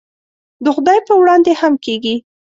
د خدای په وړاندې هم کېږي.